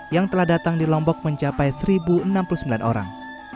yang telah datang di lombok mencapai satu enam puluh sembilan orang